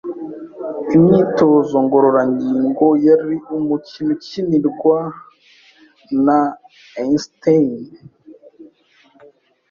Imyitozo ngororangingo yari umukino ukinirwa na Einstein,